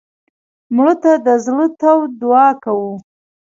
مړه ته د زړه تود دعا کوو